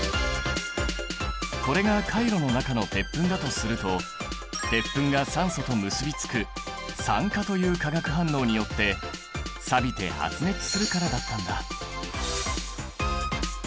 これがカイロの中の鉄粉だとすると鉄粉が酸素と結びつく酸化という化学反応によってさびて発熱するからだったんだ！